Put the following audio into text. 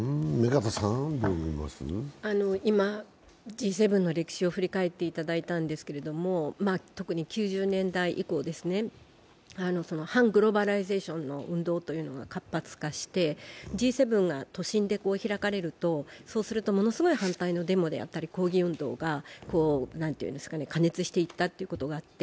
今、Ｇ７の歴史を振り返っていただいたんですけども、特に９０年代以降ですね、反グローバライゼーションの運動が活発化して、Ｇ７が都心で開かれると、ものすごい反対のデモであったり抗議運動が過熱していったということもあって